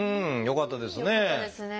よかったですね。